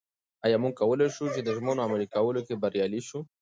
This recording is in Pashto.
ایا موږ کولای شو د ژمنو عملي کولو کې بریالي شو؟